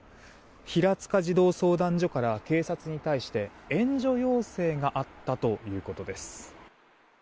平塚児童相談所から警察に対して援助要請があったということです。